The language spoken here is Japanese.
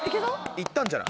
いったんじゃない？